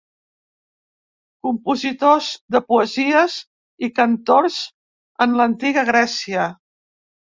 Compositors de poesies i cantors en l'antiga Grècia.